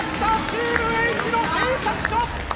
チームＨ野製作所！